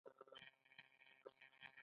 د تاریخ په اوږدو کې.